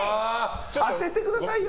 当ててくださいよ。